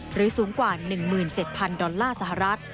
สูงกว่า๑๗๐๐ดอลลาร์สหรัฐ